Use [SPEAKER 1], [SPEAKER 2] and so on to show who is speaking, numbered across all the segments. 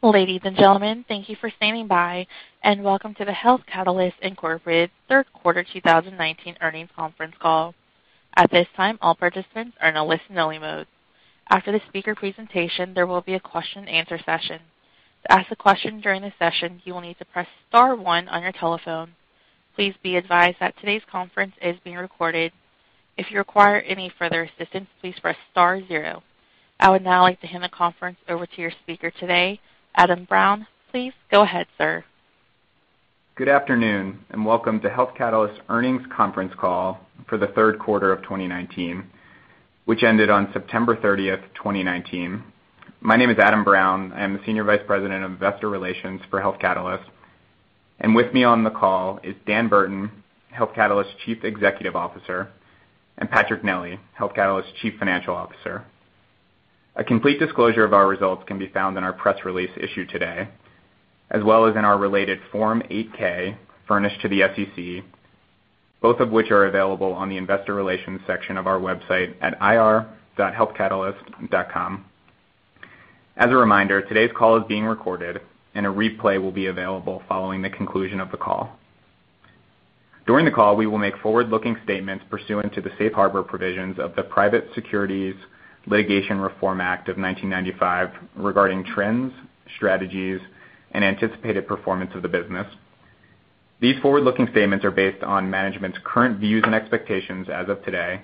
[SPEAKER 1] Ladies and gentlemen, thank you for standing by, and welcome to the Health Catalyst, Inc. third quarter 2019 earnings conference call. At this time, all participants are in a listen-only mode. After the speaker presentation, there will be a question and answer session. To ask a question during the session, you will need to press star one on your telephone. Please be advised that today's conference is being recorded. If you require any further assistance, please press star zero. I would now like to hand the conference over to your speaker today, Adam Brown. Please go ahead, sir.
[SPEAKER 2] Good afternoon, and welcome to Health Catalyst's earnings conference call for the third quarter of 2019, which ended on September 30th, 2019. My name is Adam Brown. I am the Senior Vice President of Investor Relations for Health Catalyst. With me on the call is Dan Burton, Health Catalyst's Chief Executive Officer, and Patrick Nelli, Health Catalyst's Chief Financial Officer. A complete disclosure of our results can be found in our press release issued today, as well as in our related Form 8-K furnished to the SEC, both of which are available on the investor relations section of our website at ir.healthcatalyst.com. As a reminder, today's call is being recorded, and a replay will be available following the conclusion of the call. During the call, we will make forward-looking statements pursuant to the safe harbor provisions of the Private Securities Litigation Reform Act of 1995 regarding trends, strategies, and anticipated performance of the business. These forward-looking statements are based on management's current views and expectations as of today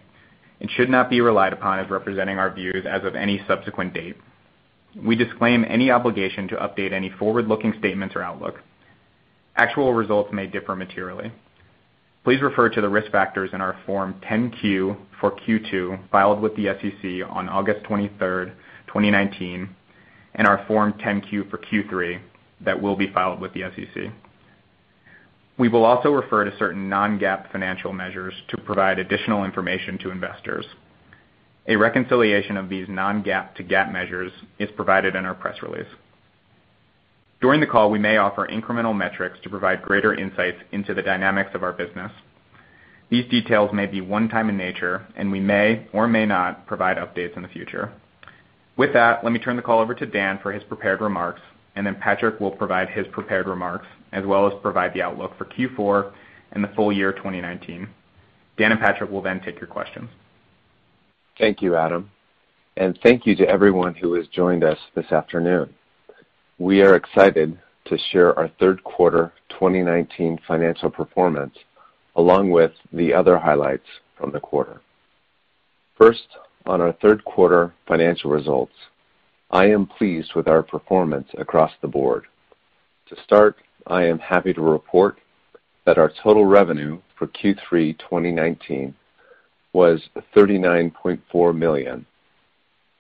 [SPEAKER 2] and should not be relied upon as representing our views as of any subsequent date. We disclaim any obligation to update any forward-looking statements or outlook. Actual results may differ materially. Please refer to the risk factors in our Form 10-Q for Q2 filed with the SEC on August 23, 2019, and our Form 10-Q for Q3 that will be filed with the SEC. We will also refer to certain non-GAAP financial measures to provide additional information to investors. A reconciliation of these non-GAAP to GAAP measures is provided in our press release. During the call, we may offer incremental metrics to provide greater insights into the dynamics of our business. These details may be one-time in nature, and we may or may not provide updates in the future. With that, let me turn the call over to Dan for his prepared remarks. Patrick will provide his prepared remarks as well as provide the outlook for Q4 and the full year 2019. Dan and Patrick will then take your questions.
[SPEAKER 3] Thank you, Adam. Thank you to everyone who has joined us this afternoon. We are excited to share our third quarter 2019 financial performance, along with the other highlights from the quarter. First, on our third quarter financial results, I am pleased with our performance across the board. To start, I am happy to report that our total revenue for Q3 2019 was $39.4 million.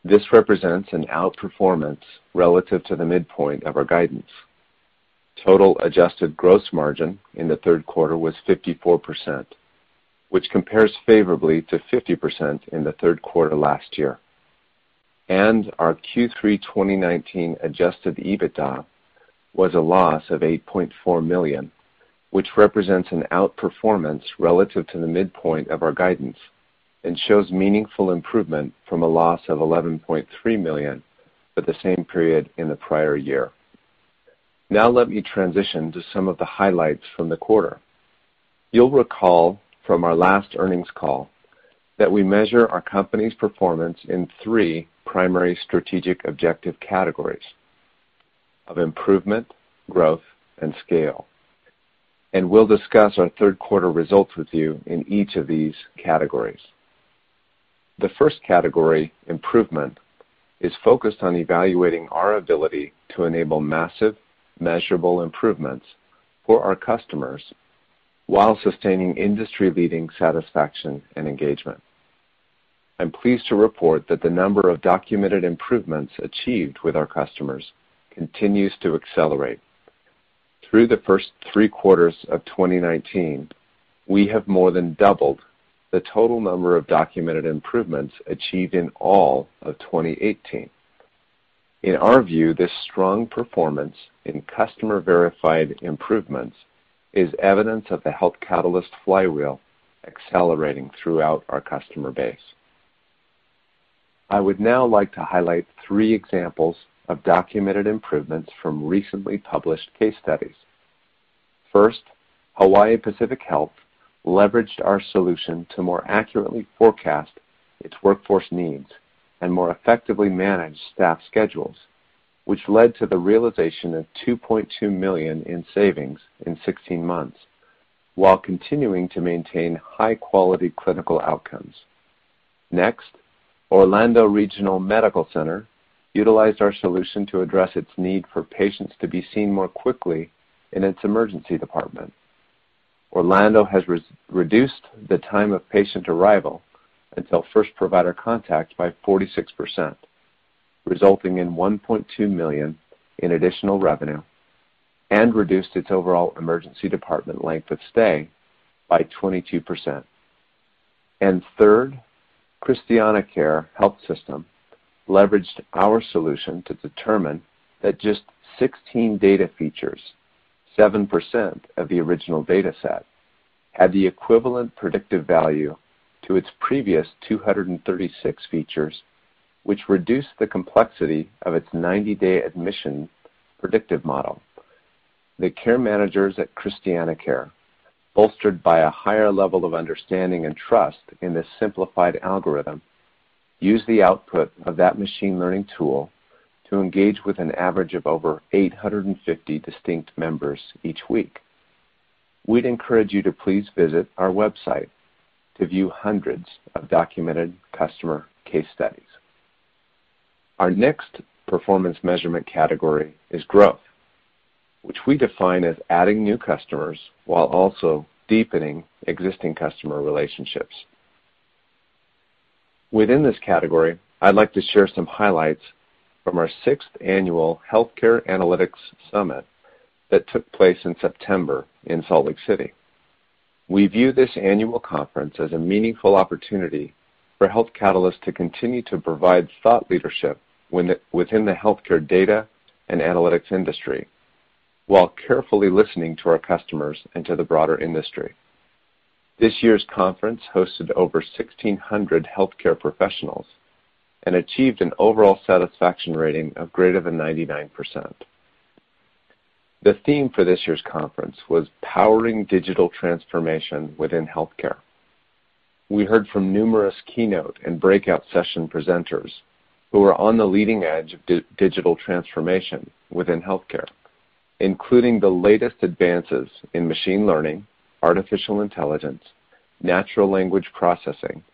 [SPEAKER 3] This represents an outperformance relative to the midpoint of our guidance. Total adjusted gross margin in the third quarter was 54%, which compares favorably to 50% in the third quarter last year. Our Q3 2019 adjusted EBITDA was a loss of $8.4 million, which represents an outperformance relative to the midpoint of our guidance and shows meaningful improvement from a loss of $11.3 million for the same period in the prior year. Let me transition to some of the highlights from the quarter. You'll recall from our last earnings call that we measure our company's performance in 3 primary strategic objective categories of improvement, growth, and scale. We'll discuss our third quarter results with you in each of these categories. The first category, improvement, is focused on evaluating our ability to enable massive measurable improvements for our customers while sustaining industry-leading satisfaction and engagement. I'm pleased to report that the number of documented improvements achieved with our customers continues to accelerate. Through the first 3 quarters of 2019, we have more than doubled the total number of documented improvements achieved in all of 2018. In our view, this strong performance in customer-verified improvements is evidence of the Health Catalyst flywheel accelerating throughout our customer base. I would now like to highlight three examples of documented improvements from recently published case studies. First, Hawaii Pacific Health leveraged our solution to more accurately forecast its workforce needs and more effectively manage staff schedules, which led to the realization of $2.2 million in savings in 16 months while continuing to maintain high-quality clinical outcomes. Next, Orlando Regional Medical Center utilized our solution to address its need for patients to be seen more quickly in its emergency department. Orlando has reduced the time of patient arrival until first provider contact by 46%, resulting in $1.2 million in additional revenue and reduced its overall emergency department length of stay by 22%. Third, ChristianaCare Health System leveraged our solution to determine that just 16 data features, 7% of the original data set had the equivalent predictive value to its previous 236 features, which reduced the complexity of its 90-day admission predictive model. The care managers at ChristianaCare, bolstered by a higher level of understanding and trust in this simplified algorithm, use the output of that machine learning tool to engage with an average of over 850 distinct members each week. We'd encourage you to please visit our website to view hundreds of documented customer case studies. Our next performance measurement category is growth, which we define as adding new customers while also deepening existing customer relationships. Within this category, I'd like to share some highlights from our sixth annual Healthcare Analytics Summit that took place in September in Salt Lake City. We view this annual conference as a meaningful opportunity for Health Catalyst to continue to provide thought leadership within the healthcare data and analytics industry while carefully listening to our customers and to the broader industry. This year's conference hosted over 1,600 healthcare professionals and achieved an overall satisfaction rating of greater than 99%. The theme for this year's conference was Powering Digital Transformation Within Healthcare. We heard from numerous keynote and breakout session presenters who are on the leading edge of digital transformation within healthcare, including the latest advances in machine learning, artificial intelligence, natural language processing,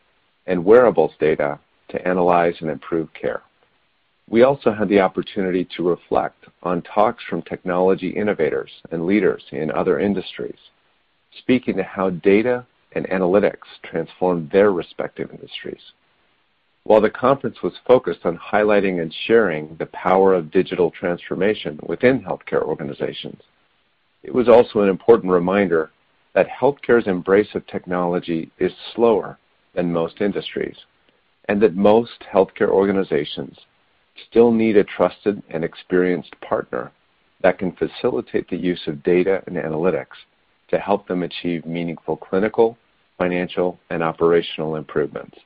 [SPEAKER 3] and wearables data to analyze and improve care. We also had the opportunity to reflect on talks from technology innovators and leaders in other industries, speaking to how data and analytics transformed their respective industries. While the conference was focused on highlighting and sharing the power of digital transformation within healthcare organizations, it was also an important reminder that healthcare's embrace of technology is slower than most industries, and that most healthcare organizations still need a trusted and experienced partner that can facilitate the use of data and analytics to help them achieve meaningful clinical, financial, and operational improvements.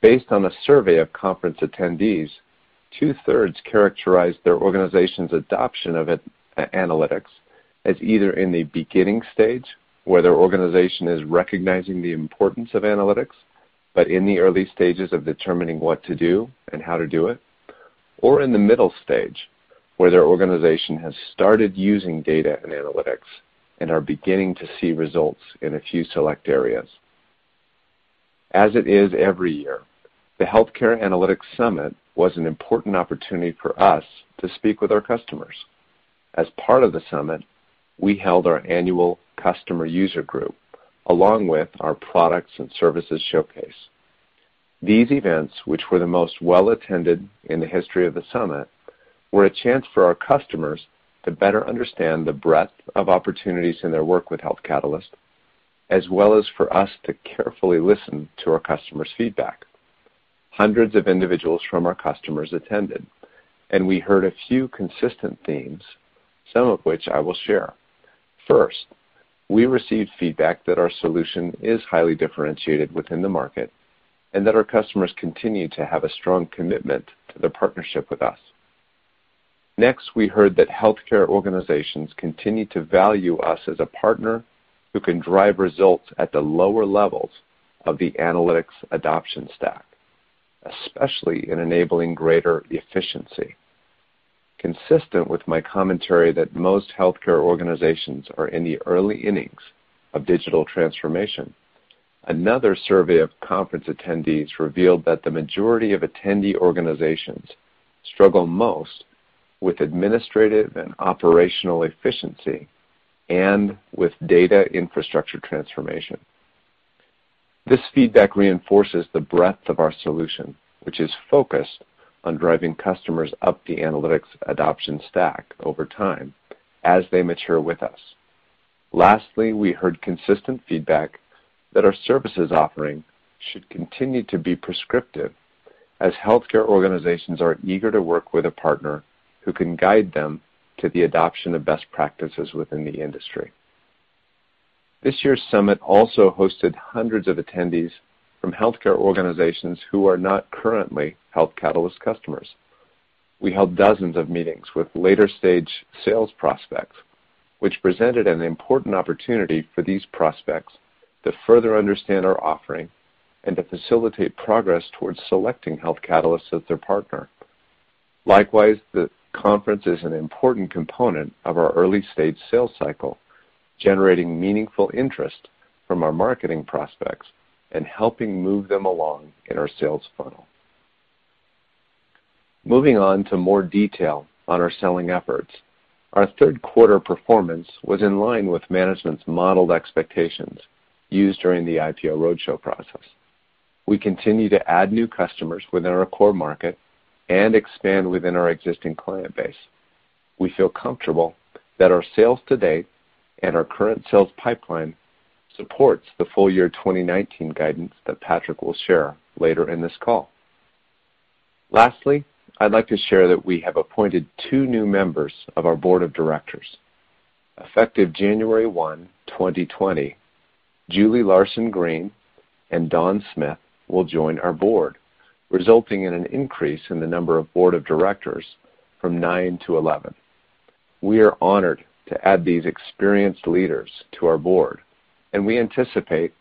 [SPEAKER 3] Based on a survey of conference attendees, two-thirds characterized their organization's adoption of analytics as either in the beginning stage, where their organization is recognizing the importance of analytics, but in the early stages of determining what to do and how to do it, or in the middle stage, where their organization has started using data and analytics and are beginning to see results in a few select areas. As it is every year, the Healthcare Analytics Summit was an important opportunity for us to speak with our customers. As part of the summit, we held our annual customer user group, along with our products and services showcase. These events, which were the most well-attended in the history of the summit, were a chance for our customers to better understand the breadth of opportunities in their work with Health Catalyst, as well as for us to carefully listen to our customers' feedback. Hundreds of individuals from our customers attended, and we heard a few consistent themes, some of which I will share. First, we received feedback that our solution is highly differentiated within the market and that our customers continue to have a strong commitment to their partnership with us. Next, we heard that healthcare organizations continue to value us as a partner who can drive results at the lower levels of the analytics adoption stack, especially in enabling greater efficiency. Consistent with my commentary that most healthcare organizations are in the early innings of digital transformation, another survey of conference attendees revealed that the majority of attendee organizations struggle most with administrative and operational efficiency and with data infrastructure transformation. This feedback reinforces the breadth of our solution, which is focused on driving customers up the analytics adoption stack over time as they mature with us. Lastly, we heard consistent feedback that our services offering should continue to be prescriptive as healthcare organizations are eager to work with a partner who can guide them to the adoption of best practices within the industry. This year's summit also hosted hundreds of attendees from healthcare organizations who are not currently Health Catalyst customers. We held dozens of meetings with later-stage sales prospects, which presented an important opportunity for these prospects to further understand our offering and to facilitate progress towards selecting Health Catalyst as their partner. Likewise, the conference is an important component of our early-stage sales cycle, generating meaningful interest from our marketing prospects and helping move them along in our sales funnel. Moving on to more detail on our selling efforts, our third quarter performance was in line with management's modeled expectations used during the IPO roadshow process. We continue to add new customers within our core market and expand within our existing client base. We feel comfortable that our sales to date and our current sales pipeline supports the full-year 2019 guidance that Patrick will share later in this call. Lastly, I'd like to share that we have appointed two new members of our board of directors. Effective January 1, 2020, Julie Larson-Green and Dawn Smith will join our board, resulting in an increase in the number of board of directors from nine to 11. We are honored to add these experienced leaders to our board, and we anticipate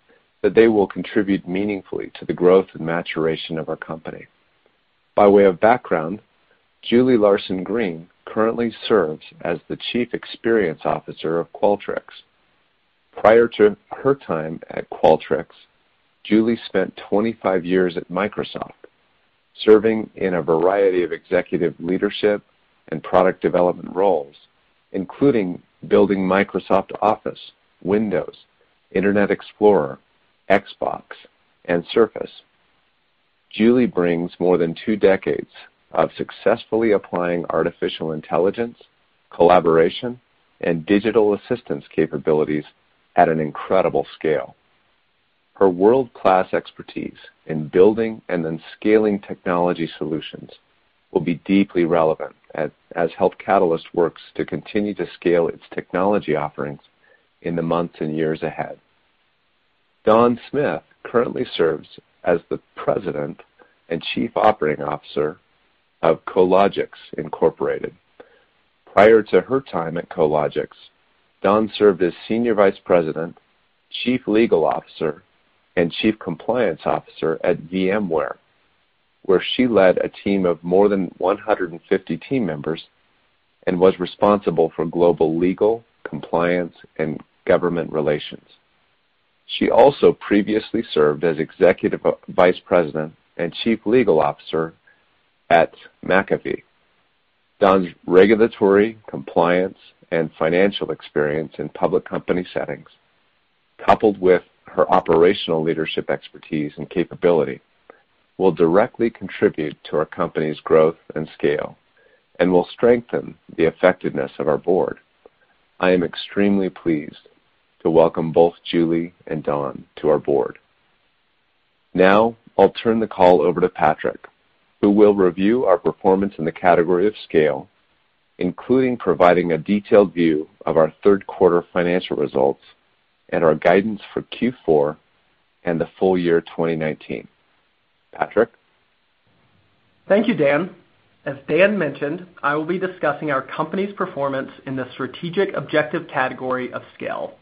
[SPEAKER 3] that they will contribute meaningfully to the growth and maturation of our company. By way of background, Julie Larson-Green currently serves as the chief experience officer of Qualtrics. Prior to her time at Qualtrics, Julie spent 25 years at Microsoft, serving in a variety of executive leadership and product development roles, including building Microsoft Office, Windows, Internet Explorer, Xbox, and Surface. Julie brings more than two decades of successfully applying artificial intelligence, collaboration, and digital assistance capabilities at an incredible scale. Her world-class expertise in building and then scaling technology solutions will be deeply relevant as Health Catalyst works to continue to scale its technology offerings in the months and years ahead. Dawn Smith currently serves as the President and Chief Operating Officer of Cologix Inc. Prior to her time at Cologix, Dawn served as Senior Vice President, Chief Legal Officer, and Chief Compliance Officer at VMware, where she led a team of more than 150 team members and was responsible for global legal, compliance, and government relations. She also previously served as Executive Vice President and Chief Legal Officer at McAfee. Dawn's regulatory compliance and financial experience in public company settings, coupled with her operational leadership expertise and capability, will directly contribute to our company's growth and scale and will strengthen the effectiveness of our board. I am extremely pleased to welcome both Julie and Dawn to our board. I'll turn the call over to Patrick, who will review our performance in the category of scale, including providing a detailed view of our third quarter financial results and our guidance for Q4 and the full year 2019. Patrick?
[SPEAKER 4] Thank you, Dan. As Dan mentioned, I will be discussing our company's performance in the strategic objective category of scale.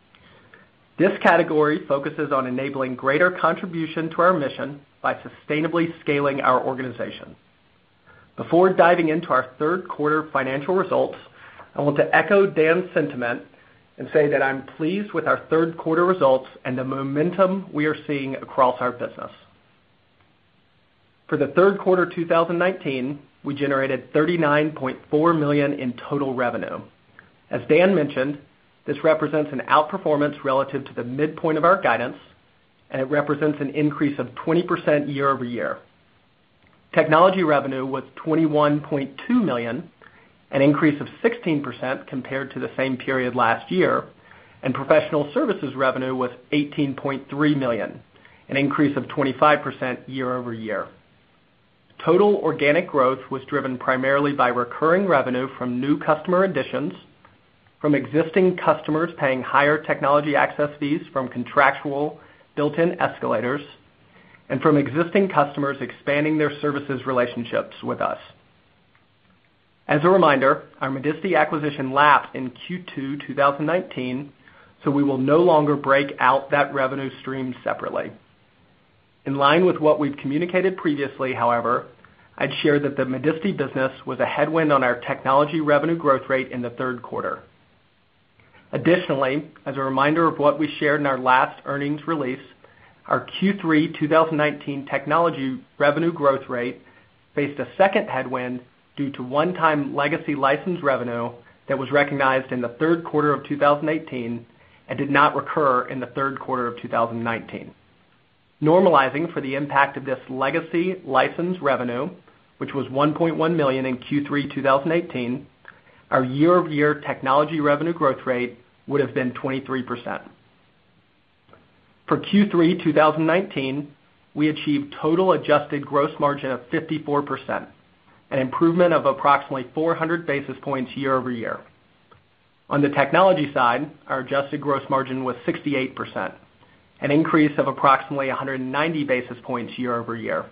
[SPEAKER 4] This category focuses on enabling greater contribution to our mission by sustainably scaling our organization. Before diving into our third quarter financial results, I want to echo Dan's sentiment and say that I'm pleased with our third quarter results and the momentum we are seeing across our business. For the third quarter 2019, we generated $39.4 million in total revenue. As Dan mentioned, this represents an outperformance relative to the midpoint of our guidance, and it represents an increase of 20% year-over-year. Technology revenue was $21.2 million, an increase of 16% compared to the same period last year, and professional services revenue was $18.3 million, an increase of 25% year-over-year. Total organic growth was driven primarily by recurring revenue from new customer additions, from existing customers paying higher technology access fees from contractual built-in escalators, and from existing customers expanding their services relationships with us. As a reminder, our Medicity acquisition lapsed in Q2 2019, so we will no longer break out that revenue stream separately. In line with what we've communicated previously, however, I'd share that the Medicity business was a headwind on our technology revenue growth rate in the third quarter. As a reminder of what we shared in our last earnings release, our Q3 2019 technology revenue growth rate faced a second headwind due to one-time legacy license revenue that was recognized in the third quarter of 2018 and did not recur in the third quarter of 2019. Normalizing for the impact of this legacy license revenue, which was $1.1 million in Q3 2018, our year-over-year technology revenue growth rate would have been 23%. For Q3 2019, we achieved total adjusted gross margin of 54%, an improvement of approximately 400 basis points year over year. On the technology side, our adjusted gross margin was 68%, an increase of approximately 190 basis points year over year.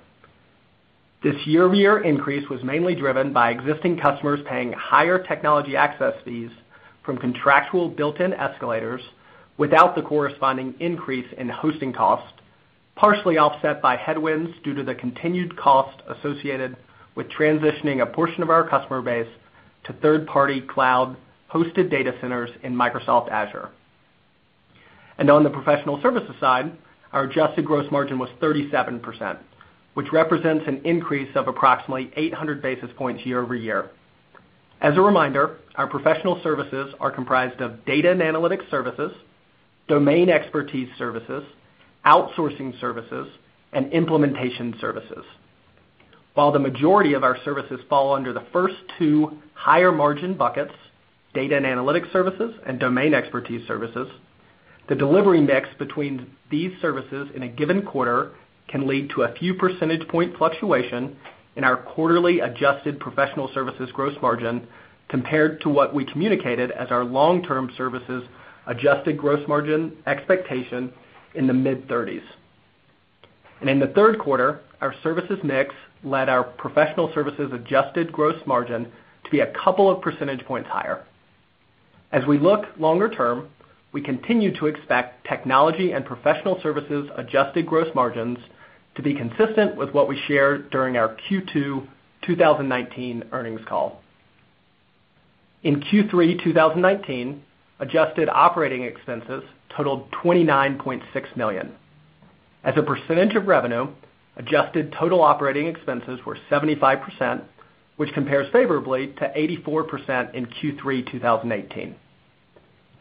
[SPEAKER 4] This year-over-year increase was mainly driven by existing customers paying higher technology access fees from contractual built-in escalators without the corresponding increase in hosting costs, partially offset by headwinds due to the continued cost associated with transitioning a portion of our customer base to third-party cloud-hosted data centers in Microsoft Azure. On the professional services side, our adjusted gross margin was 37%, which represents an increase of approximately 800 basis points year over year. As a reminder, our professional services are comprised of data and analytics services, domain expertise services, outsourcing services, and implementation services. While the majority of our services fall under the first two higher margin buckets, data and analytics services and domain expertise services. The delivery mix between these services in a given quarter can lead to a few percentage point fluctuation in our quarterly adjusted professional services gross margin compared to what we communicated as our long-term services adjusted gross margin expectation in the mid-30s. In the third quarter, our services mix led our professional services adjusted gross margin to be a couple of percentage points higher. As we look longer term, we continue to expect technology and professional services adjusted gross margins to be consistent with what we shared during our Q2 2019 earnings call. In Q3 2019, adjusted operating expenses totaled $29.6 million. As a percentage of revenue, adjusted total operating expenses were 75%, which compares favorably to 84% in Q3 2018.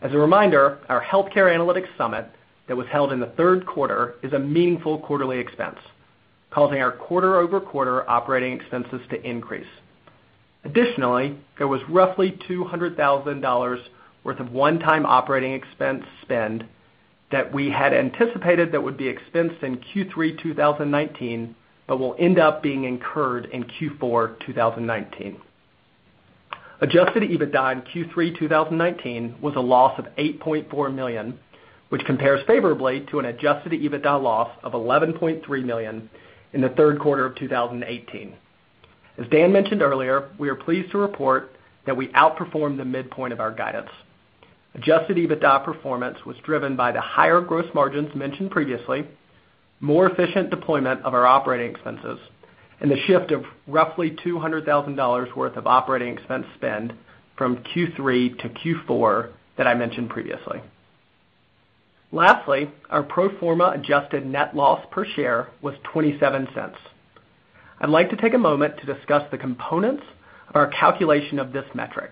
[SPEAKER 4] As a reminder, our Healthcare Analytics Summit that was held in the third quarter is a meaningful quarterly expense, causing our quarter-over-quarter operating expenses to increase. Additionally, there was roughly $200,000 worth of one-time operating expense spend that we had anticipated that would be expensed in Q3 2019, but will end up being incurred in Q4 2019. Adjusted EBITDA in Q3 2019 was a loss of $8.4 million, which compares favorably to an adjusted EBITDA loss of $11.3 million in the third quarter of 2018. As Dan mentioned earlier, we are pleased to report that we outperformed the midpoint of our guidance. Adjusted EBITDA performance was driven by the higher gross margins mentioned previously, more efficient deployment of our operating expenses, and the shift of roughly $200,000 worth of operating expense spend from Q3 to Q4 that I mentioned previously. Lastly, our pro forma adjusted net loss per share was $0.27. I'd like to take a moment to discuss the components of our calculation of this metric.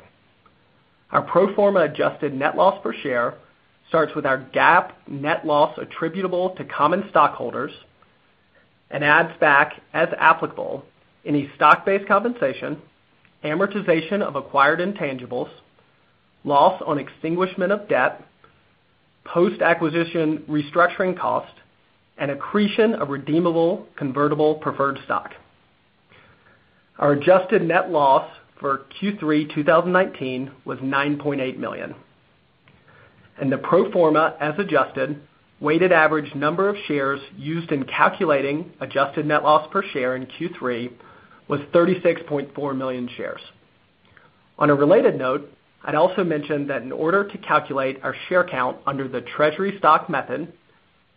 [SPEAKER 4] Our pro forma adjusted net loss per share starts with our GAAP net loss attributable to common stockholders and adds back, as applicable, any stock-based compensation, amortization of acquired intangibles, loss on extinguishment of debt, post-acquisition restructuring costs, and accretion of redeemable convertible preferred stock. Our adjusted net loss for Q3 2019 was $9.8 million, and the pro forma, as adjusted, weighted average number of shares used in calculating adjusted net loss per share in Q3 was 36.4 million shares. On a related note, I'd also mention that in order to calculate our share count under the treasury stock method,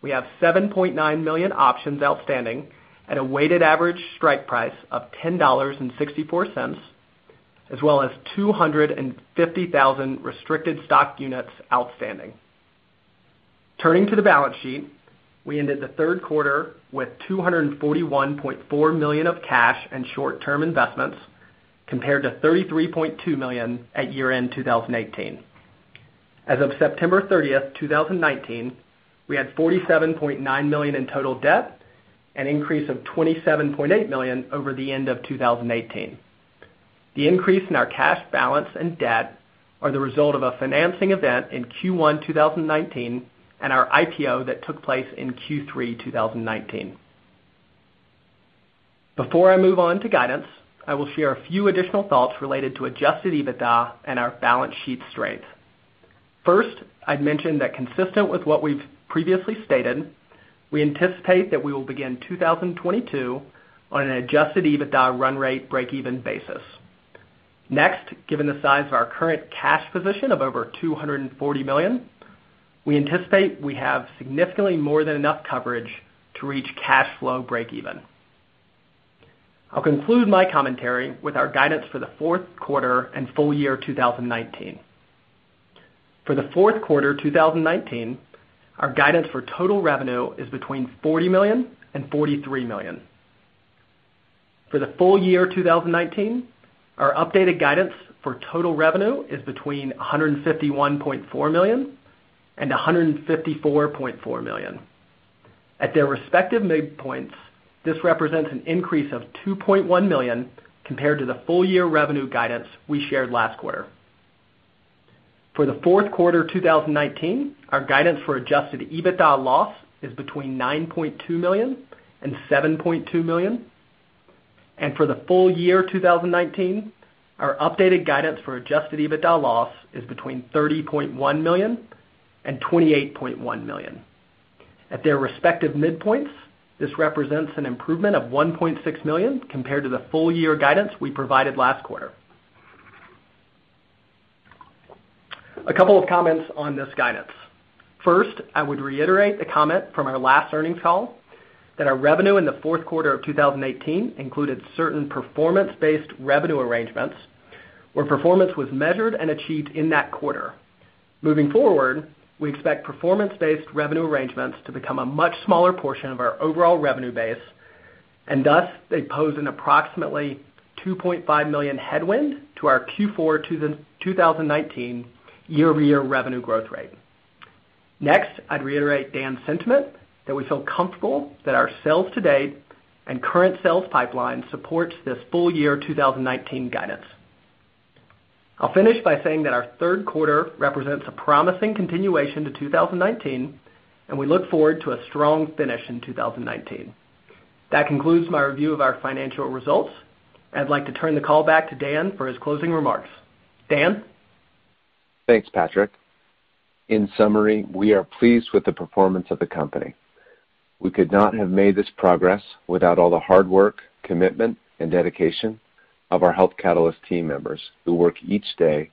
[SPEAKER 4] we have 7.9 million options outstanding at a weighted average strike price of $10.64, as well as 250,000 restricted stock units outstanding. Turning to the balance sheet, we ended the third quarter with $241.4 million of cash and short-term investments, compared to $33.2 million at year-end 2018. As of September 30, 2019, we had $47.9 million in total debt, an increase of $27.8 million over the end of 2018. The increase in our cash balance and debt are the result of a financing event in Q1 2019 and our IPO that took place in Q3 2019. Before I move on to guidance, I will share a few additional thoughts related to adjusted EBITDA and our balance sheet strength. First, I'd mention that consistent with what we've previously stated, we anticipate that we will begin 2022 on an adjusted EBITDA run rate breakeven basis. Next, given the size of our current cash position of over $240 million, we anticipate we have significantly more than enough coverage to reach cash flow breakeven. I'll conclude my commentary with our guidance for the fourth quarter and full year 2019. For the fourth quarter 2019, our guidance for total revenue is between $40 million and $43 million. For the full year 2019, our updated guidance for total revenue is between $151.4 million and $154.4 million. At their respective midpoints, this represents an increase of $2.1 million compared to the full-year revenue guidance we shared last quarter. For the fourth quarter 2019, our guidance for adjusted EBITDA loss is between $9.2 million and $7.2 million. For the full year 2019, our updated guidance for adjusted EBITDA loss is between $30.1 million and $28.1 million. At their respective midpoints, this represents an improvement of $1.6 million compared to the full-year guidance we provided last quarter. A couple of comments on this guidance. First, I would reiterate the comment from our last earnings call that our revenue in the fourth quarter of 2018 included certain performance-based revenue arrangements where performance was measured and achieved in that quarter. Moving forward, we expect performance-based revenue arrangements to become a much smaller portion of our overall revenue base, and thus they pose an approximately $2.5 million headwind to our Q4 2019 year-over-year revenue growth rate. I'd reiterate Dan's sentiment that we feel comfortable that our sales to date and current sales pipeline supports this full year 2019 guidance. I'll finish by saying that our third quarter represents a promising continuation to 2019, and we look forward to a strong finish in 2019. That concludes my review of our financial results. I'd like to turn the call back to Dan for his closing remarks. Dan?
[SPEAKER 3] Thanks, Patrick. In summary, we are pleased with the performance of the company. We could not have made this progress without all the hard work, commitment, and dedication of our Health Catalyst team members, who work each day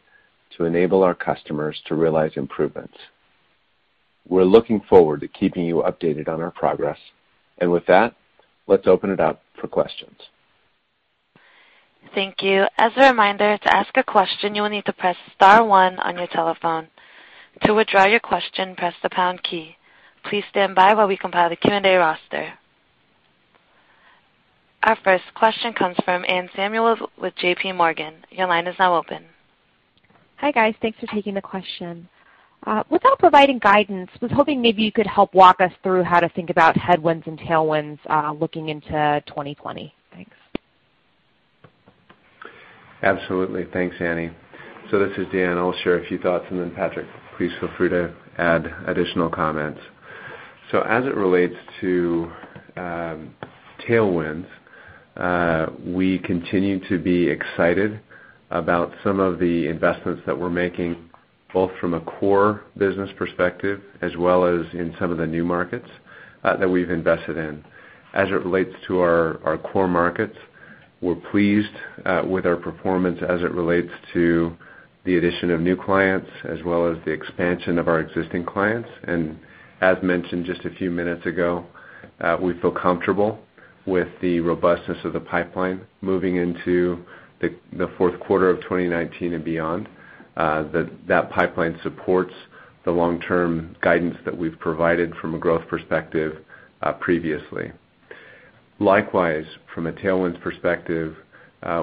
[SPEAKER 3] to enable our customers to realize improvements. We're looking forward to keeping you updated on our progress. With that, let's open it up for questions.
[SPEAKER 1] Thank you. As a reminder, to ask a question, you will need to press star 1 on your telephone. To withdraw your question, press the pound key. Please stand by while we compile the Q&A roster. Our first question comes from Anne Samuel with J.P. Morgan. Your line is now open.
[SPEAKER 5] Hi, guys. Thanks for taking the question. Without providing guidance, I was hoping maybe you could help walk us through how to think about headwinds and tailwinds looking into 2020. Thanks.
[SPEAKER 3] Absolutely. Thanks, Anne. This is Dan. I'll share a few thoughts, and then Patrick, please feel free to add additional comments. As it relates to tailwinds, we continue to be excited about some of the investments that we're making, both from a core business perspective as well as in some of the new markets that we've invested in. As it relates to our core markets, we're pleased with our performance as it relates to the addition of new clients, as well as the expansion of our existing clients. As mentioned just a few minutes ago, we feel comfortable with the robustness of the pipeline moving into the fourth quarter of 2019 and beyond. That pipeline supports the long-term guidance that we've provided from a growth perspective previously. Likewise, from a tailwinds perspective,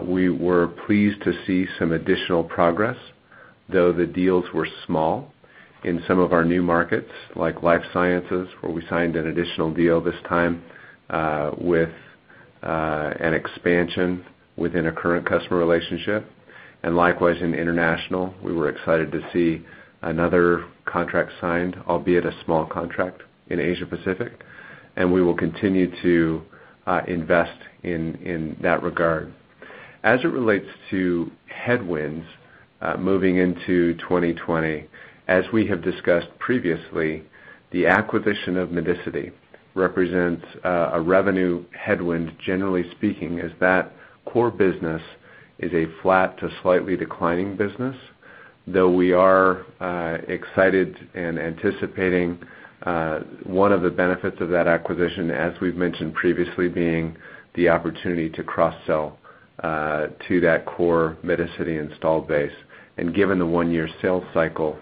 [SPEAKER 3] we were pleased to see some additional progress, though the deals were small in some of our new markets, like life sciences, where we signed an additional deal this time with an expansion within a current customer relationship. Likewise, in international, we were excited to see another contract signed, albeit a small contract in Asia Pacific, and we will continue to invest in that regard. As it relates to headwinds moving into 2020, as we have discussed previously, the acquisition of Medicity represents a revenue headwind, generally speaking, as that core business is a flat to slightly declining business. Though we are excited and anticipating one of the benefits of that acquisition, as we've mentioned previously, being the opportunity to cross-sell to that core Medicity installed base. Given the one-year sales cycle,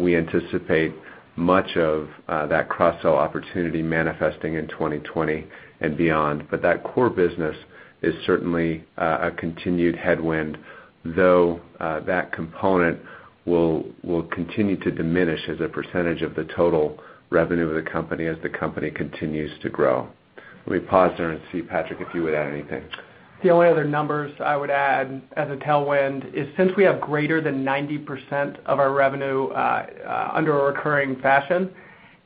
[SPEAKER 3] we anticipate much of that cross-sell opportunity manifesting in 2020 and beyond. That core business is certainly a continued headwind, though that component will continue to diminish as a percentage of the total revenue of the company as the company continues to grow. Let me pause there and see, Patrick, if you would add anything.
[SPEAKER 4] The only other numbers I would add as a tailwind is since we have greater than 90% of our revenue under a recurring fashion,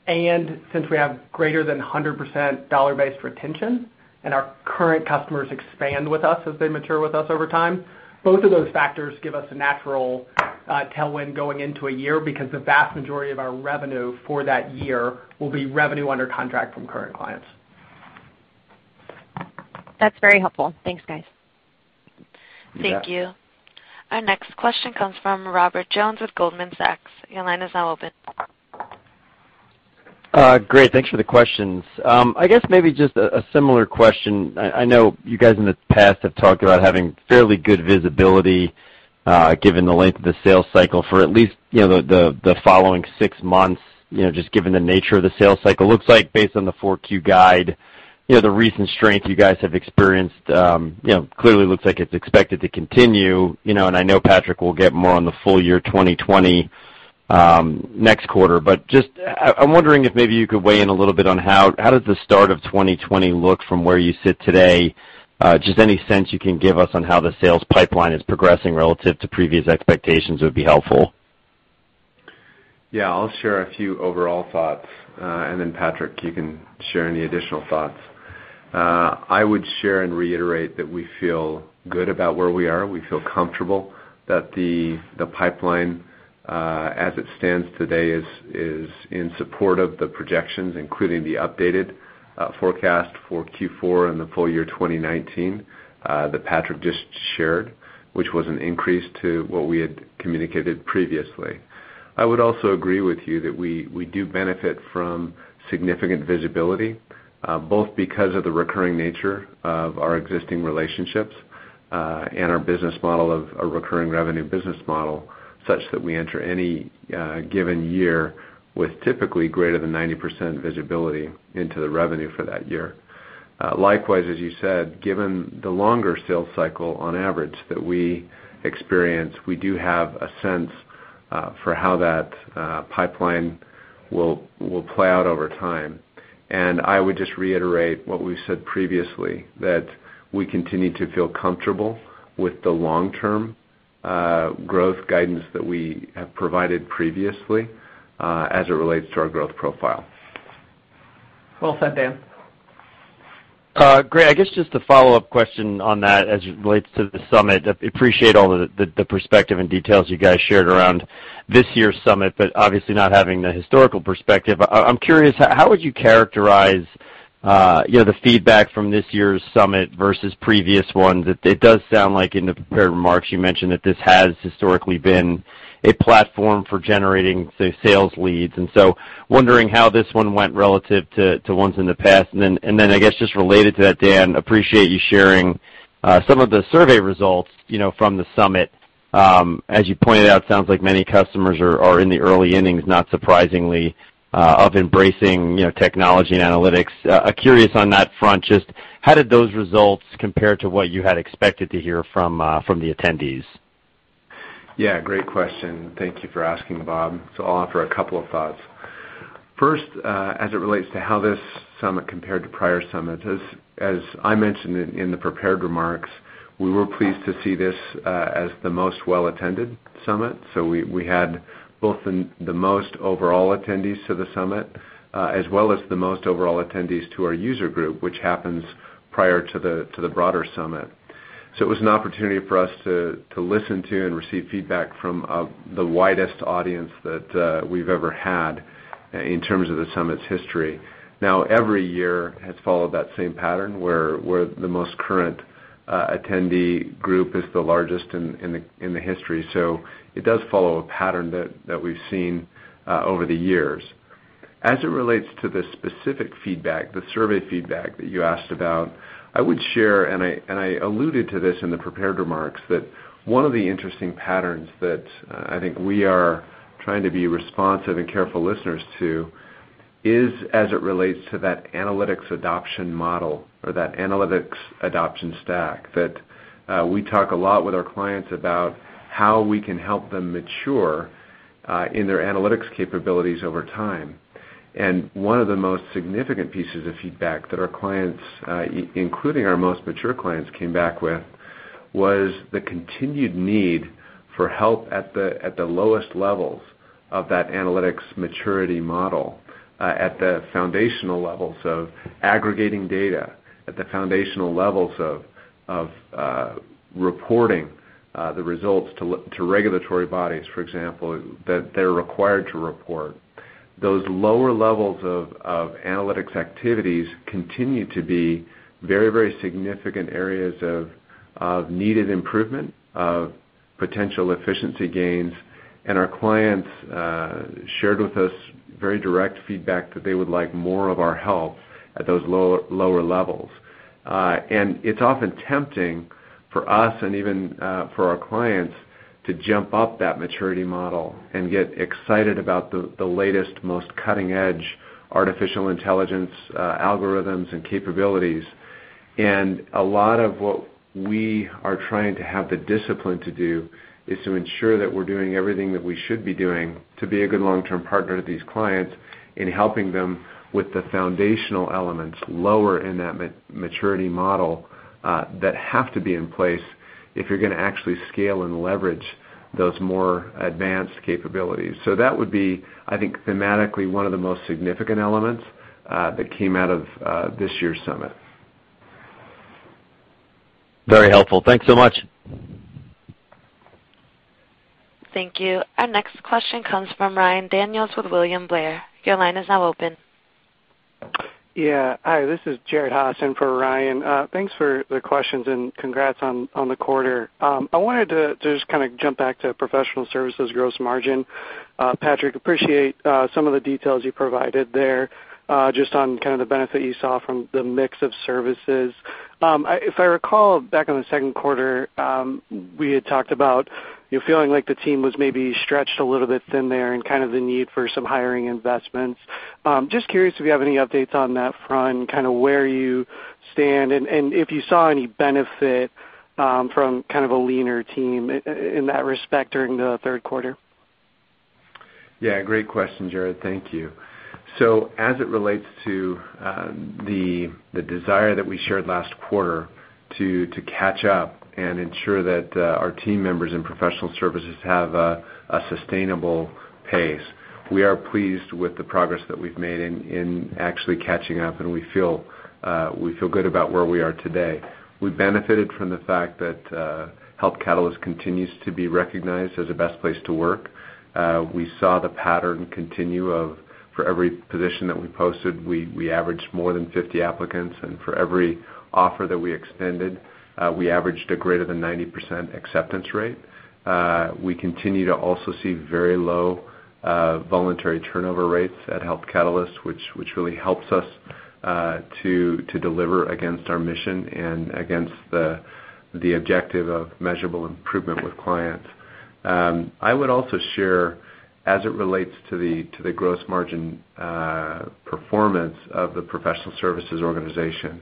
[SPEAKER 4] and since we have greater than 100% dollar-based retention, and our current customers expand with us as they mature with us over time, both of those factors give us a natural tailwind going into a year because the vast majority of our revenue for that year will be revenue under contract from current clients.
[SPEAKER 5] That's very helpful. Thanks, guys.
[SPEAKER 3] You bet.
[SPEAKER 1] Thank you. Our next question comes from Robert Jones with Goldman Sachs. Your line is now open.
[SPEAKER 6] Great. Thanks for the questions. I guess maybe just a similar question. I know you guys in the past have talked about having fairly good visibility, given the length of the sales cycle for at least the following six months, just given the nature of the sales cycle. Looks like based on the Q4 guide, the recent strength you guys have experienced clearly looks like it's expected to continue. I know Patrick will get more on the full year 2020 next quarter. I'm wondering if maybe you could weigh in a little bit on how does the start of 2020 look from where you sit today. Just any sense you can give us on how the sales pipeline is progressing relative to previous expectations would be helpful.
[SPEAKER 3] Yeah, I'll share a few overall thoughts, and then Patrick, you can share any additional thoughts. I would share and reiterate that we feel good about where we are. We feel comfortable that the pipeline, as it stands today, is in support of the projections, including the updated forecast for Q4 and the full year 2019 that Patrick just shared, which was an increase to what we had communicated previously. I would also agree with you that we do benefit from significant visibility, both because of the recurring nature of our existing relationships and our business model of a recurring revenue business model, such that we enter any given year with typically greater than 90% visibility into the revenue for that year. Likewise, as you said, given the longer sales cycle on average that we experience, we do have a sense for how that pipeline will play out over time. I would just reiterate what we've said previously, that we continue to feel comfortable with the long-term growth guidance that we have provided previously, as it relates to our growth profile.
[SPEAKER 4] Well said, Dan.
[SPEAKER 6] Gray, I guess just a follow-up question on that as it relates to the Healthcare Analytics Summit. Appreciate all the perspective and details you guys shared around this year's Healthcare Analytics Summit, but obviously not having the historical perspective. I'm curious, how would you characterize the feedback from this year's Healthcare Analytics Summit versus previous ones? It does sound like in the prepared remarks you mentioned that this has historically been a platform for generating, say, sales leads, and so wondering how this one went relative to ones in the past. Then, I guess, just related to that, Dan, appreciate you sharing some of the survey results from the Healthcare Analytics Summit. As you pointed out, sounds like many customers are in the early innings, not surprisingly, of embracing technology and analytics. Curious on that front, just how did those results compare to what you had expected to hear from the attendees?
[SPEAKER 3] Yeah, great question. Thank you for asking, Bob. I'll offer a couple of thoughts. First, as it relates to how this summit compared to prior summits, as I mentioned in the prepared remarks, we were pleased to see this as the most well-attended summit. We had both the most overall attendees to the summit, as well as the most overall attendees to our user group, which happens prior to the broader summit. It was an opportunity for us to listen to and receive feedback from the widest audience that we've ever had in terms of the summit's history. Now, every year has followed that same pattern, where the most current attendee group is the largest in the history. It does follow a pattern that we've seen over the years. As it relates to the specific feedback, the survey feedback that you asked about, I would share, and I alluded to this in the prepared remarks, that one of the interesting patterns that I think we are trying to be responsive and careful listeners to is as it relates to that analytics adoption model or that analytics adoption stack that we talk a lot with our clients about how we can help them mature in their analytics capabilities over time. One of the most significant pieces of feedback that our clients, including our most mature clients, came back with was the continued need for help at the lowest levels of that analytics maturity model, at the foundational levels of aggregating data, at the foundational levels of reporting the results to regulatory bodies, for example, that they're required to report. Those lower levels of analytics activities continue to be very significant areas of needed improvement, of potential efficiency gains. Our clients shared with us very direct feedback that they would like more of our help at those lower levels. It's often tempting for us and even for our clients to jump up that maturity model and get excited about the latest, most cutting-edge artificial intelligence algorithms and capabilities. A lot of what we are trying to have the discipline to do is to ensure that we're doing everything that we should be doing to be a good long-term partner to these clients in helping them with the foundational elements lower in that maturity model that have to be in place if you're going to actually scale and leverage those more advanced capabilities. That would be, I think, thematically one of the most significant elements that came out of this year's Summit.
[SPEAKER 6] Very helpful. Thanks so much.
[SPEAKER 1] Thank you. Our next question comes from Ryan Daniels with William Blair. Your line is now open.
[SPEAKER 7] Yeah. Hi, this is Jared Haase in for Ryan. Thanks for the questions and congrats on the quarter. I wanted to just kind of jump back to professional services gross margin. Patrick, appreciate some of the details you provided there just on kind of the benefit you saw from the mix of services. If I recall, back in the second quarter, we had talked about you feeling like the team was maybe stretched a little bit thin there and kind of the need for some hiring investments. Just curious if you have any updates on that front, kind of where you stand and if you saw any benefit from kind of a leaner team in that respect during the third quarter.
[SPEAKER 3] Yeah, great question, Jared. Thank you. As it relates to the desire that we shared last quarter to catch up and ensure that our team members in professional services have a sustainable pace, we are pleased with the progress that we've made in actually catching up, and we feel good about where we are today. We benefited from the fact that Health Catalyst continues to be recognized as a best place to work. We saw the pattern continue of, for every position that we posted, we averaged more than 50 applicants. For every offer that we extended, we averaged a greater than 90% acceptance rate. We continue to also see very low voluntary turnover rates at Health Catalyst, which really helps us to deliver against our mission and against the objective of measurable improvement with clients. I would also share. As it relates to the gross margin performance of the professional services organization,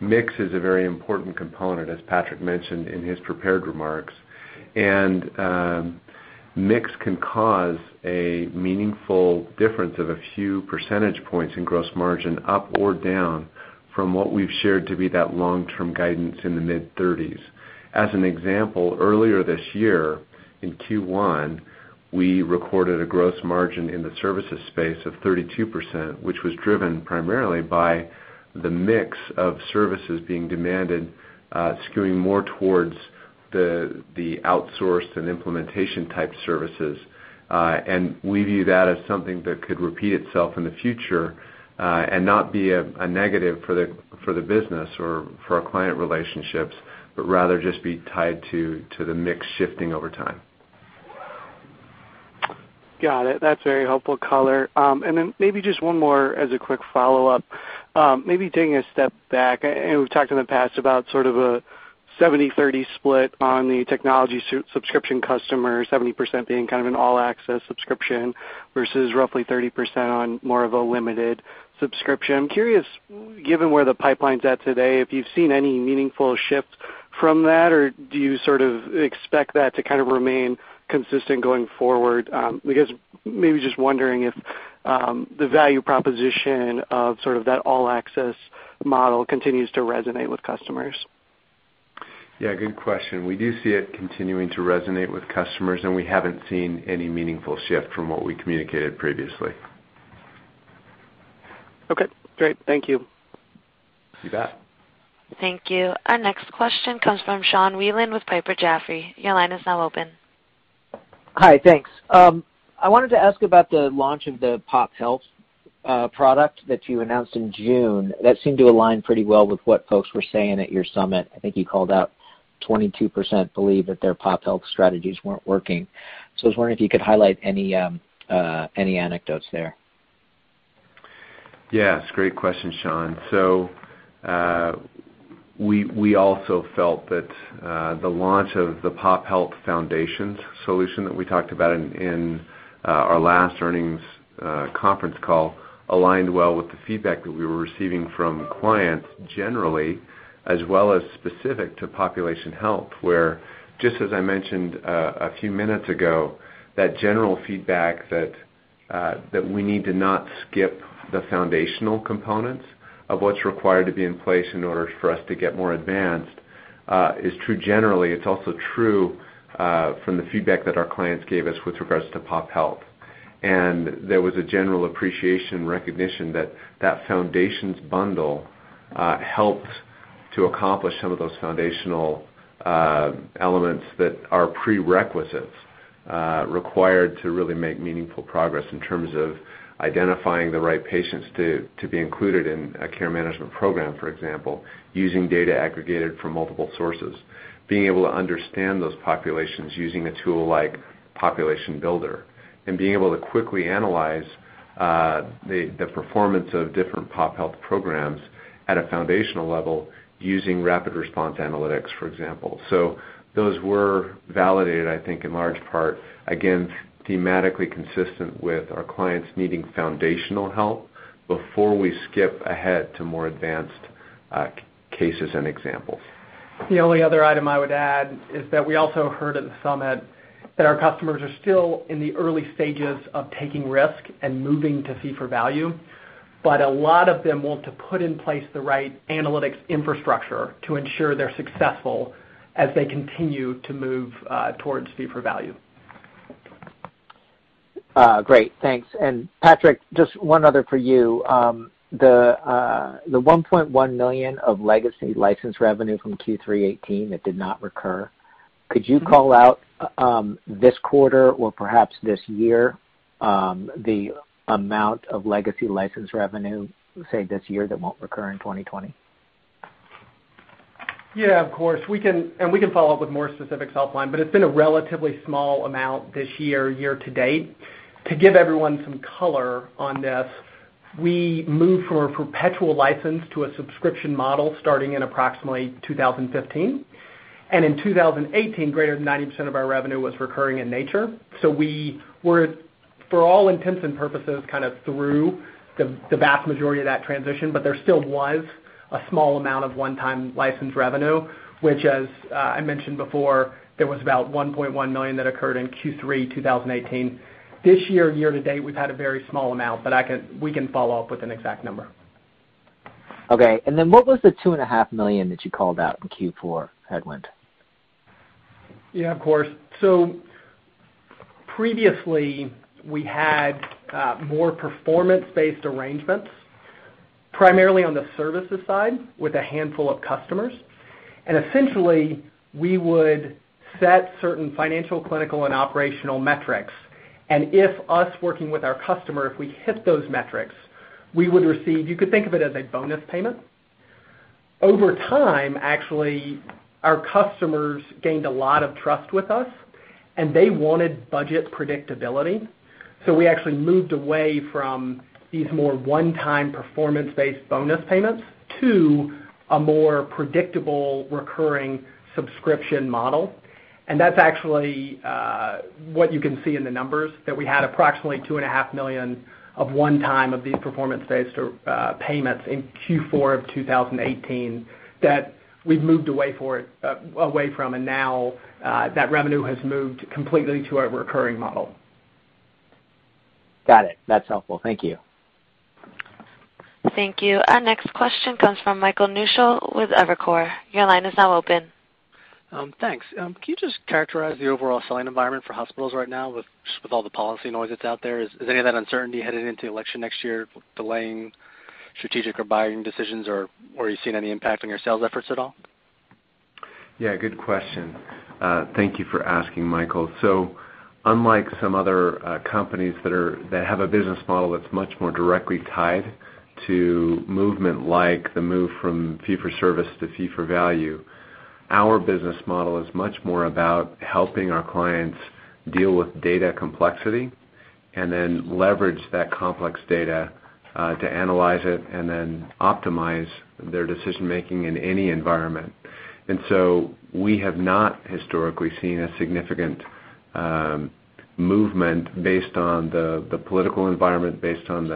[SPEAKER 3] mix is a very important component, as Patrick mentioned in his prepared remarks. Mix can cause a meaningful difference of a few percentage points in gross margin up or down from what we've shared to be that long-term guidance in the mid-30s. As an example, earlier this year, in Q1, we recorded a gross margin in the services space of 32%, which was driven primarily by the mix of services being demanded, skewing more towards the outsourced and implementation type services. We view that as something that could repeat itself in the future, and not be a negative for the business or for our client relationships, but rather just be tied to the mix shifting over time.
[SPEAKER 7] Got it. That's a very helpful color. Maybe just one more as a quick follow-up. Maybe taking a step back, we've talked in the past about sort of a 70/30 split on the technology subscription customer, 70% being kind of an all-access subscription versus roughly 30% on more of a limited subscription. I'm curious, given where the pipeline's at today, if you've seen any meaningful shifts from that, or do you sort of expect that to kind of remain consistent going forward? Maybe just wondering if the value proposition of sort of that all-access model continues to resonate with customers.
[SPEAKER 3] Yeah, good question. We do see it continuing to resonate with customers. We haven't seen any meaningful shift from what we communicated previously.
[SPEAKER 7] Okay, great. Thank you.
[SPEAKER 3] You bet.
[SPEAKER 1] Thank you. Our next question comes from Sean Wieland with Piper Jaffray. Your line is now open.
[SPEAKER 8] Hi, thanks. I wanted to ask about the launch of the Pop Health product that you announced in June. That seemed to align pretty well with what folks were saying at your Summit. I think you called out 22% believe that their Pop Health strategies weren't working. I was wondering if you could highlight any anecdotes there.
[SPEAKER 3] Yes. Great question, Sean. We also felt that the launch of the Population Health Foundations solution that we talked about in our last earnings conference call aligned well with the feedback that we were receiving from clients generally, as well as specific to population health, where, just as I mentioned a few minutes ago, that general feedback that we need to not skip the foundational components of what's required to be in place in order for us to get more advanced, is true generally. It's also true from the feedback that our clients gave us with regards to pop health. There was a general appreciation recognition that that foundations bundle helped to accomplish some of those foundational elements that are prerequisites, required to really make meaningful progress in terms of identifying the right patients to be included in a care management program, for example, using data aggregated from multiple sources. Being able to understand those populations using a tool like Population Builder, and being able to quickly analyze the performance of different Pop Health programs at a foundational level using rapid response analytics, for example. Those were validated, I think, in large part, again, thematically consistent with our clients needing foundational help before we skip ahead to more advanced cases and examples.
[SPEAKER 4] The only other item I would add is that we also heard at the Summit that our customers are still in the early stages of taking risk and moving to fee for value. A lot of them want to put in place the right analytics infrastructure to ensure they're successful as they continue to move towards fee for value.
[SPEAKER 8] Great. Thanks. Patrick, just one other for you. The $1.1 million of legacy license revenue from Q3 2018 that did not recur, could you call out, this quarter or perhaps this year, the amount of legacy license revenue, say, this year that won't recur in 2020?
[SPEAKER 4] Yeah, of course. We can follow up with more specifics offline, but it's been a relatively small amount this year to date. To give everyone some color on this, we moved from a perpetual license to a subscription model starting in approximately 2015. In 2018, greater than 90% of our revenue was recurring in nature. We were, for all intents and purposes, kind of through the vast majority of that transition. There still was a small amount of one-time license revenue, which, as I mentioned before, there was about $1.1 million that occurred in Q3 2018. This year to date, we've had a very small amount. We can follow up with an exact number.
[SPEAKER 8] Okay. What was the $2.5 million that you called out in Q4 headwind?
[SPEAKER 4] Yeah, of course. Previously, we had more performance-based arrangements, primarily on the services side with a handful of customers. Essentially, we would set certain financial, clinical, and operational metrics, and if us working with our customer, if we hit those metrics, we would receive, you could think of it as a bonus payment.
[SPEAKER 3] Over time, actually, our customers gained a lot of trust with us, and they wanted budget predictability. We actually moved away from these more one-time performance-based bonus payments to a more predictable recurring subscription model. That's actually what you can see in the numbers, that we had approximately two and a half million of one-time of these performance-based payments in Q4 of 2018 that we've moved away from, and now that revenue has moved completely to our recurring model.
[SPEAKER 8] Got it. That's helpful. Thank you.
[SPEAKER 1] Thank you. Our next question comes from Michael Newshel with Evercore. Your line is now open.
[SPEAKER 9] Thanks. Can you just characterize the overall selling environment for hospitals right now with all the policy noise that's out there? Is any of that uncertainty headed into the election next year delaying strategic or buying decisions, or are you seeing any impact on your sales efforts at all?
[SPEAKER 3] Yeah, good question. Thank you for asking, Michael. Unlike some other companies that have a business model that's much more directly tied to movement like the move from fee for service to fee for value, our business model is much more about helping our clients deal with data complexity and then leverage that complex data to analyze it and then optimize their decision-making in any environment. We have not historically seen a significant movement based on the political environment, based on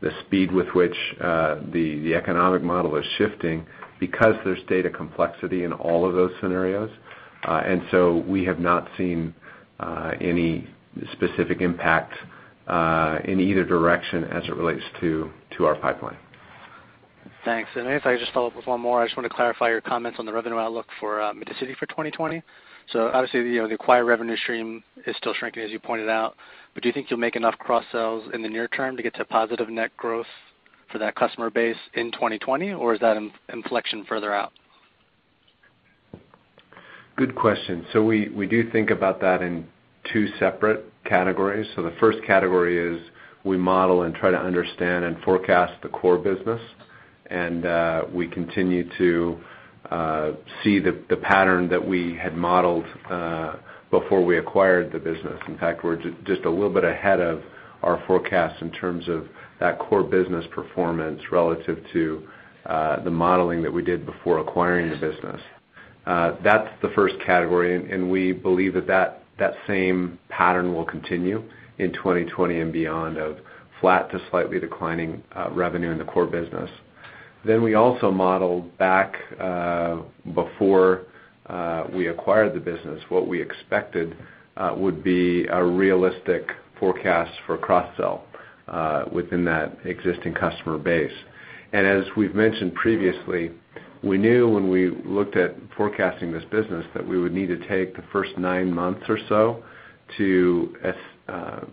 [SPEAKER 3] the speed with which the economic model is shifting because there's data complexity in all of those scenarios. We have not seen any specific impact in either direction as it relates to our pipeline.
[SPEAKER 9] Thanks. If I could just follow up with one more, I just want to clarify your comments on the revenue outlook for Medicity for 2020. Obviously, the acquired revenue stream is still shrinking, as you pointed out, but do you think you'll make enough cross-sells in the near term to get to positive net growth for that customer base in 2020, or is that inflection further out?
[SPEAKER 3] Good question. We do think about that in 2 separate categories. The first category is we model and try to understand and forecast the core business. We continue to see the pattern that we had modeled before we acquired the business. In fact, we're just a little bit ahead of our forecast in terms of that core business performance relative to the modeling that we did before acquiring the business. That's the first category, and we believe that same pattern will continue in 2020 and beyond of flat to slightly declining revenue in the core business. We also modeled back, before we acquired the business, what we expected would be a realistic forecast for cross-sell within that existing customer base. As we've mentioned previously, we knew when we looked at forecasting this business that we would need to take the first nine months or so to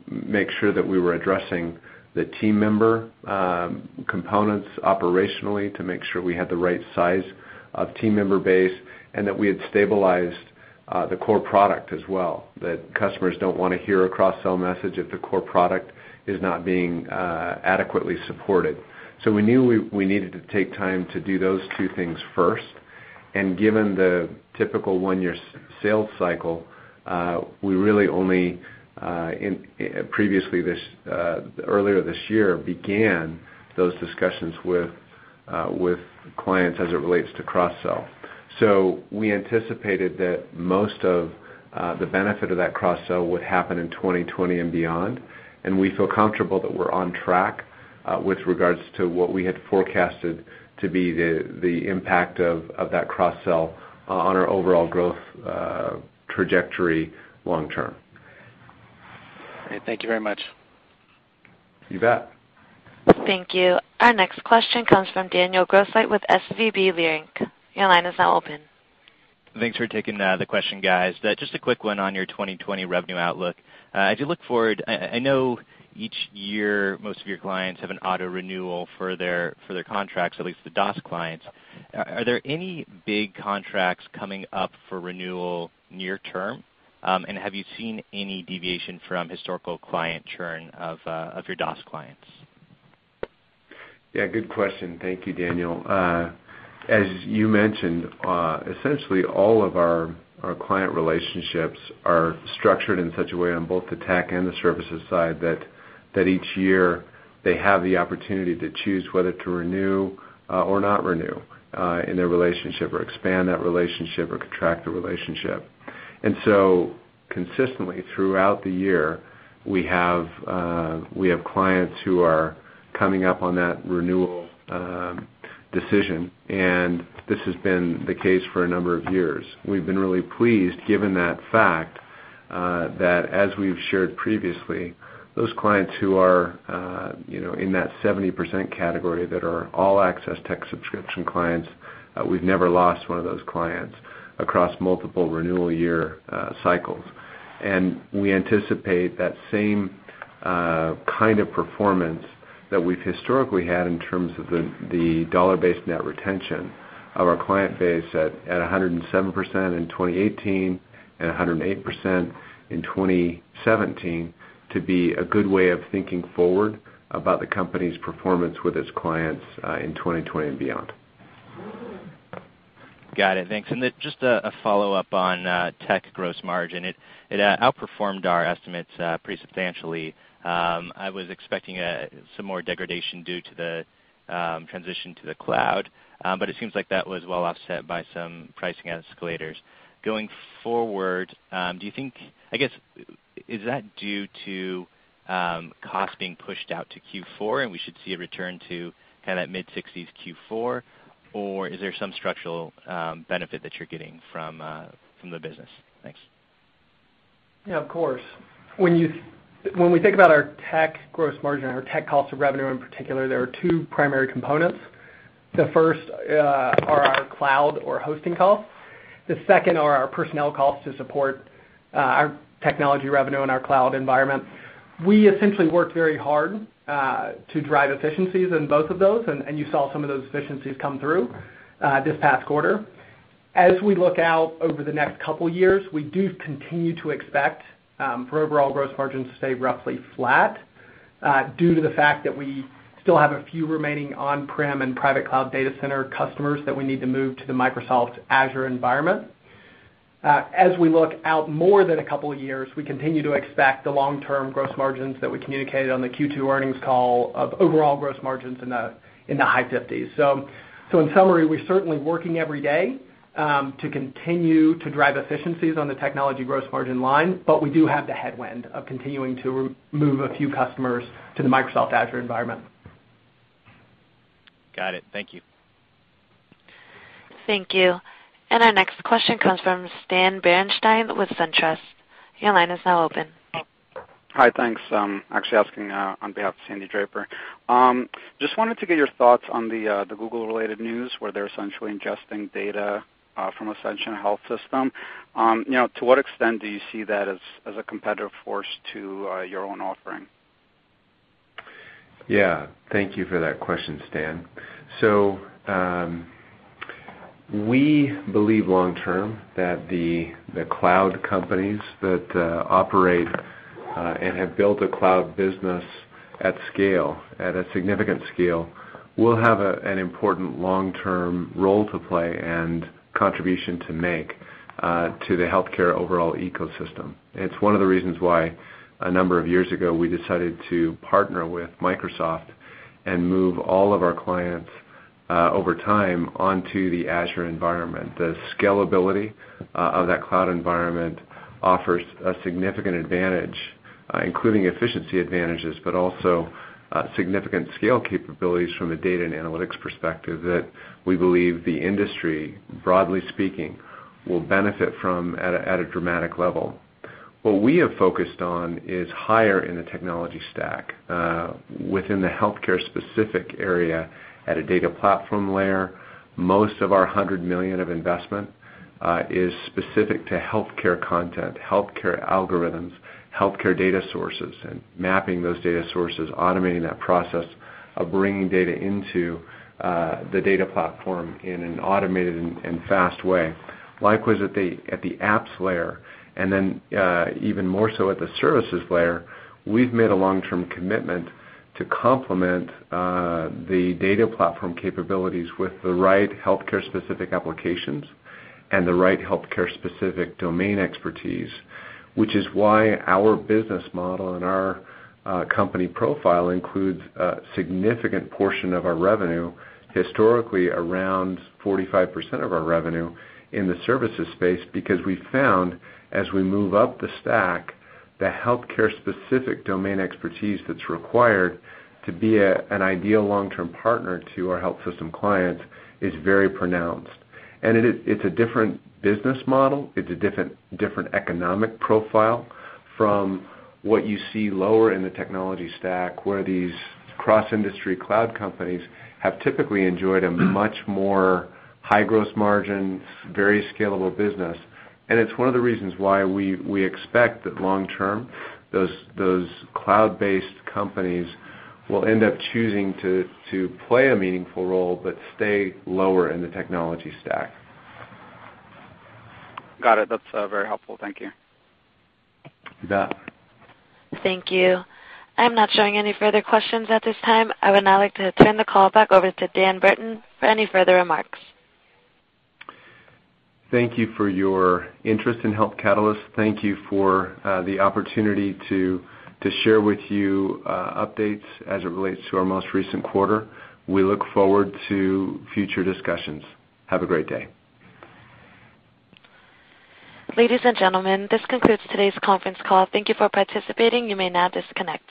[SPEAKER 3] make sure that we were addressing the team member components operationally, to make sure we had the right size of team member base, and that we had stabilized the core product as well, that customers don't want to hear a cross-sell message if the core product is not being adequately supported. We knew we needed to take time to do those two things first. Given the typical one-year sales cycle, we really only previously, earlier this year, began those discussions with clients as it relates to cross-sell. We anticipated that most of the benefit of that cross-sell would happen in 2020 and beyond, and we feel comfortable that we're on track with regards to what we had forecasted to be the impact of that cross-sell on our overall growth trajectory long term.
[SPEAKER 9] Great. Thank you very much.
[SPEAKER 3] You bet.
[SPEAKER 1] Thank you. Our next question comes from Daniel Grosslight with SVB Leerink Your line is now open.
[SPEAKER 10] Thanks for taking the question, guys. Just a quick one on your 2020 revenue outlook. As you look forward, I know each year most of your clients have an auto renewal for their contracts, at least the DaaS clients. Are there any big contracts coming up for renewal near term? Have you seen any deviation from historical client churn of your DaaS clients?
[SPEAKER 3] Yeah, good question. Thank you, Daniel. As you mentioned, essentially all of our client relationships are structured in such a way on both the tech and the services side that each year they have the opportunity to choose whether to renew or not renew in their relationship or expand that relationship or contract the relationship. Consistently throughout the year, we have clients who are coming up on that renewal decision, and this has been the case for a number of years. We've been really pleased given that fact that as we've shared previously, those clients who are in that 70% category that are all-access tech subscription clients, we've never lost one of those clients across multiple renewal year cycles. We anticipate that same kind of performance that we've historically had in terms of the dollar-based net retention of our client base at 107% in 2018 and 108% in 2017 to be a good way of thinking forward about the company's performance with its clients in 2020 and beyond.
[SPEAKER 10] Got it. Thanks. Just a follow-up on tech gross margin. It outperformed our estimates pretty substantially. I was expecting some more degradation due to the transition to the cloud, but it seems like that was well offset by some pricing escalators. Going forward, I guess, is that due to costs being pushed out to Q4 and we should see a return to that mid-60s Q4, or is there some structural benefit that you're getting from the business? Thanks.
[SPEAKER 4] Yeah, of course. When we think about our tech gross margin, our tech cost of revenue, in particular, there are 2 primary components. The first are our cloud or hosting costs. The second are our personnel costs to support our technology revenue and our cloud environment. We essentially work very hard to drive efficiencies in both of those, and you saw some of those efficiencies come through this past quarter. As we look out over the next couple of years, we do continue to expect for overall gross margins to stay roughly flat due to the fact that we still have a few remaining on-prem and private cloud data center customers that we need to move to the Microsoft Azure environment. As we look out more than a couple of years, we continue to expect the long-term gross margins that we communicated on the Q2 earnings call of overall gross margins in the high 50s. In summary, we're certainly working every day to continue to drive efficiencies on the technology gross margin line, but we do have the headwind of continuing to move a few customers to the Microsoft Azure environment.
[SPEAKER 10] Got it. Thank you.
[SPEAKER 1] Thank you. Our next question comes from Stan Berenshteyn with Centrus. Your line is now open.
[SPEAKER 11] Hi, thanks. Actually asking on behalf of Sandy Draper. Just wanted to get your thoughts on the Google-related news, where they're essentially ingesting data from Ascension Health system. To what extent do you see that as a competitive force to your own offering?
[SPEAKER 3] Yeah. Thank you for that question, Stan. We believe long term that the cloud companies that operate and have built a cloud business at a significant scale will have an important long-term role to play and contribution to make to the healthcare overall ecosystem. It's one of the reasons why a number of years ago, we decided to partner with Microsoft and move all of our clients, over time, onto the Azure environment. The scalability of that cloud environment offers a significant advantage, including efficiency advantages, but also significant scale capabilities from a data and analytics perspective that we believe the industry, broadly speaking, will benefit from at a dramatic level. What we have focused on is higher in the technology stack within the healthcare specific area at a data platform layer.
[SPEAKER 4] Most of our $100 million of investment is specific to healthcare content, healthcare algorithms, healthcare data sources, and mapping those data sources, automating that process of bringing data into the data platform in an automated and fast way. Likewise, at the apps layer, and then even more so at the services layer, we've made a long-term commitment to complement the data platform capabilities with the right healthcare specific applications and the right healthcare specific domain expertise. Which is why our business model and our company profile includes a significant portion of our revenue, historically, around 45% of our revenue in the services space, because we found as we move up the stack, the healthcare specific domain expertise that's required to be an ideal long-term partner to our health system clients is very pronounced. It's a different business model. It's a different economic profile from what you see lower in the technology stack, where these cross-industry cloud companies have typically enjoyed a much more high gross margin, very scalable business. It's one of the reasons why we expect that long term, those cloud-based companies will end up choosing to play a meaningful role but stay lower in the technology stack.
[SPEAKER 11] Got it. That's very helpful. Thank you.
[SPEAKER 3] You bet.
[SPEAKER 1] Thank you. I'm not showing any further questions at this time. I would now like to turn the call back over to Dan Burton for any further remarks.
[SPEAKER 3] Thank you for your interest in Health Catalyst. Thank you for the opportunity to share with you updates as it relates to our most recent quarter. We look forward to future discussions. Have a great day.
[SPEAKER 1] Ladies and gentlemen, this concludes today's conference call. Thank you for participating. You may now disconnect.